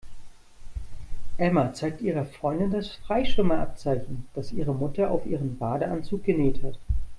Emma zeigt ihrer Freundin das Freischwimmer-Abzeichen, das ihre Mutter auf ihren Badeanzug genäht hat.